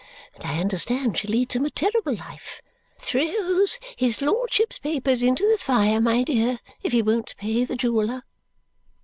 And I understand she leads him a terrible life. Throws his lordship's papers into the fire, my dear, if he won't pay the jeweller!"